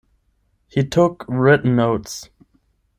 He took written notes.